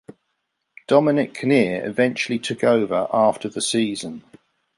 Dominic Kinnear eventually took over after the season.